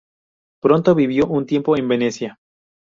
Pronto vivió un tiempo en Venecia.